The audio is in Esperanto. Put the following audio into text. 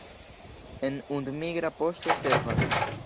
En Und migra poŝto servas.